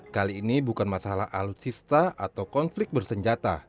kali ini bukan masalah alutsista atau konflik bersenjata